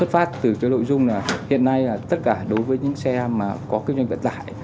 phát từ cái nội dung là hiện nay là tất cả đối với những xe mà có kinh doanh vận tải